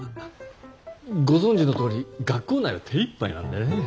ご存じのとおり学校内は手いっぱいなんでね。